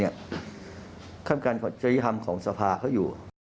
เวลาการเยอะธรรมของสภาเขาอยู่